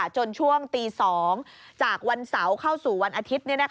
จนช่วงตี๒จากวันเสาร์เข้าสู่วันอาทิตย์